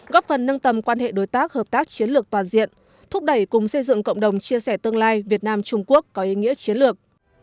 góp phần nâng tầm quan hệ đối tác hợp tác chiến lược toàn diện thúc đẩy cùng xây dựng cộng đồng chia sẻ tương lai việt nam trung quốc có ý nghĩa chiến lược